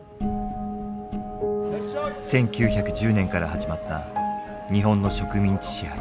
１９１０年から始まった日本の植民地支配。